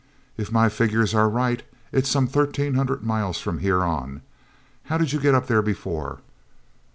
f my figures are right, it's some thirteen hundred miles from here on. How did you get up there before?"